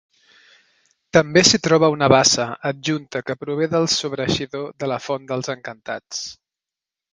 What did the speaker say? També s'hi troba una bassa adjunta que prové del sobreeixidor de la Font dels Encantats.